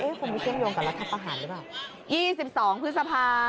เอ้ยผมไม่เชื่อมโยงกับรัฐทัพประหารหรือเปล่า